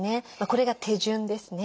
これが手順ですね。